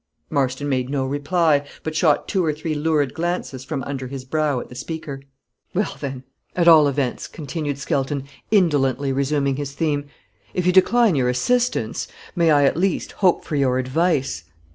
Marston made no reply, but shot two or three lurid glances from under his brow at the speaker. "Well, then, at all events," continued Skelton, indolently resuming his theme, "if you decline your assistance, may I, at least, hope for your advice?